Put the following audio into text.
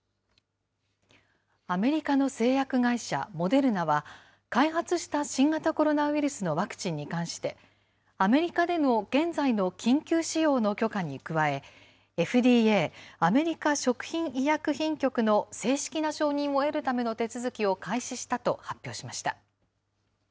アメリカの製薬会社モデルナは、開発した新型コロナウイルスのワクチンに関して、アメリカでの現在の緊急使用の許可に加え、ＦＤＡ・アメリカ食品医薬品局の正式な承認を得るための手続きを開始したと発表しました。